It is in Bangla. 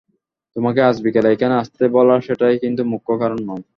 তোমাকে আজ বিকেলে এখানে আসতে বলার সেটাই কিন্তু মুখ্য কারণ নয়।